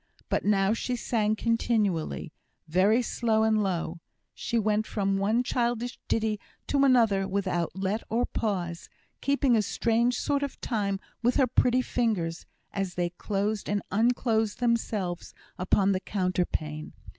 But now she sang continually, very soft and low. She went from one childish ditty to another without let or pause, keeping a strange sort of time with her pretty fingers, as they closed and unclosed themselves upon the counterpane.